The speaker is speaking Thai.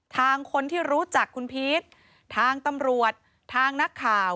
ทางคนที่รู้จักคุณพีชทางตำรวจทางนักข่าว